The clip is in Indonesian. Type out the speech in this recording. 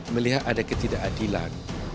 melihat ada ketidakadilan